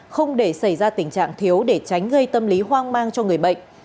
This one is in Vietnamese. không để xảy ra tình trạng thiếu để tránh gây tâm lý hoang mang cho người bệnh